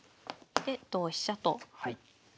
で同飛車とはい。